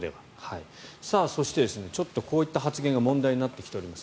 そして、こういった発言が問題になってきています。